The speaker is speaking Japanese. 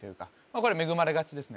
これ恵まれ勝ちですね